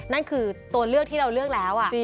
นั่นคือตัวเลือกที่เราเลือกแล้ว